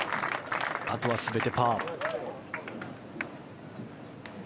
あとは全てパー。